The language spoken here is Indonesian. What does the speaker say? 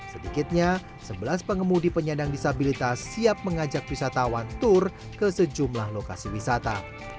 sedikitnya sebelas pengemudi penyandang disabilitas siap mengajak wisatawan tur ke sejumlah lokasi wisata